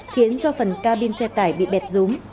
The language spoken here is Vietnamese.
khiến phần cabin xe tải bị bẹt rúm